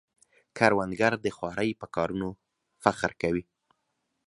کروندګر د خوارۍ په کارونو فخر کوي